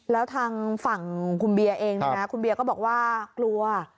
แล้วทางฝั่งคุณเบียเองนะคุณเบียก็บอกว่ากลัวอ่ะ